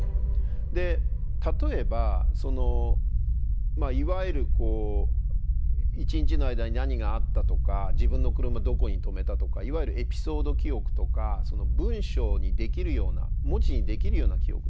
で例えばいわゆる一日の間に何があったとか自分の車どこに止めたとかいわゆるエピソード記憶とか文章にできるような文字にできるような記憶ですね